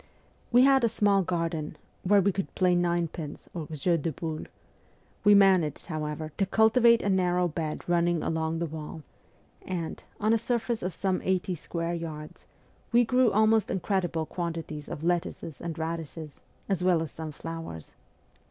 We had a small garden, where we could play ninepins or jeu de boules. We managed, moreover, to cultivate a narrow bed running along the wall, VOL. n. T 274 MEMOIRS OF A REVOLUTIONIST and, on a surface of some eighty square yards, we grew almost incredible quantities of lettuces and radishes, as well as some flowers.